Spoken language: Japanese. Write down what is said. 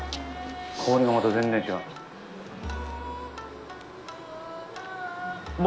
香りがまた全然違う。